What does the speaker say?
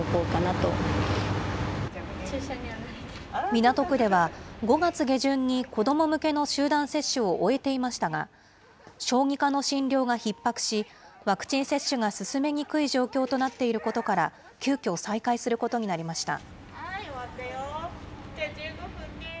港区では、５月下旬に子ども向けの集団接種を終えていましたが、小児科の診療がひっ迫し、ワクチン接種が進めにくい状況となっていることから、急きょ、再開することになりました。